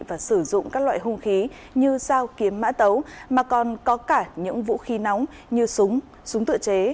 và sử dụng các loại hung khí như dao kiếm mã tấu mà còn có cả những vũ khí nóng như súng súng tự chế